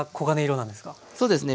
そうですね。